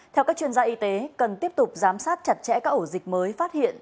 theo các chuyên gia y tế cần tiếp tục giám sát chặt chẽ các ổ dịch mới phát hiện